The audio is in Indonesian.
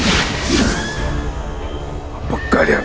ini dia carrly menyenangkan malang kalimpi